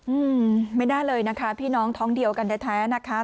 อืมไม่ได้เลยนะคะพี่น้องท้องเดียวกันแท้แท้นะคะ